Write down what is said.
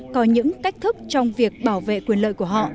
có những cách thức trong việc bảo vệ quyền lợi của họ